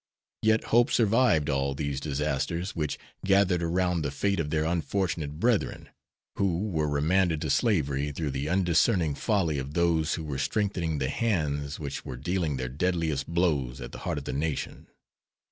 Yet hope survived all these disasters which gathered around the fate of their unfortunate brethren, who were remanded to slavery through the undiscerning folly of those who were strengthening the hands which were dealing their deadliest blows at the heart of the Nation.